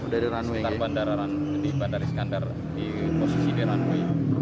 di sekitar bandara iskandar di posisi deranui